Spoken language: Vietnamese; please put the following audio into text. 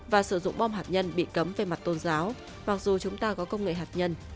và sử dụng bom hạt nhân bị cấm về mặt tôn giáo mặc dù chúng ta có công nghệ hạt nhân